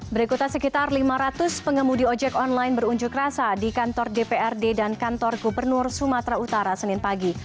berikutnya sekitar lima ratus pengemudi ojek online berunjuk rasa di kantor dprd dan kantor gubernur sumatera utara senin pagi